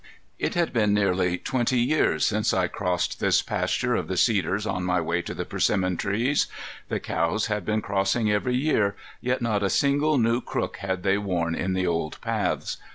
It had been nearly twenty years since I crossed this pasture of the cedars on my way to the persimmon trees. The cows had been crossing every year, yet not a single new crook had they worn in the old paths.